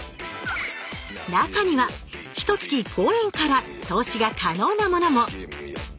中にはひと月５円から投資が可能なものも！